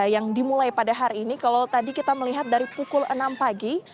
yang dimulai pada hari ini kalau tadi kita melihat dari pukul enam pagi